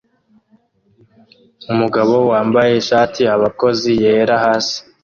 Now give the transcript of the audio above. Umugabo wambaye ishati "abakozi" yera hasi